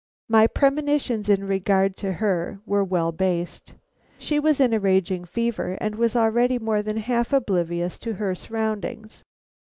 My premonitions in regard to her were well based. She was in a raging fever, and was already more than half oblivious to her surroundings.